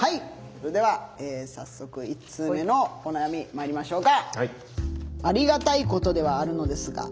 それでは早速１通目のお悩みまいりましょうか。